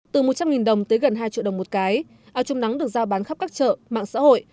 từ một trăm linh đồng tới gần hai triệu đồng một cái áo chống nắng được giao bán khắp các chợ mạng xã hội